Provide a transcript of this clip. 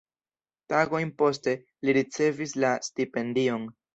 Tagojn poste, li ricevis la stipendion.